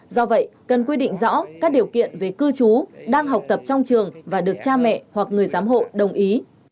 do vậy cần quy định rõ các điều kiện về cư trú đang học tập trong trường và được cha mẹ hoặc người giám hộ đồng ý